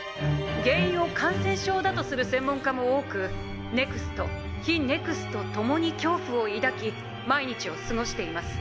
原因を『感染症』だとする専門家も多くＮＥＸＴ非ＮＥＸＴともに恐怖を抱き毎日を過ごしています。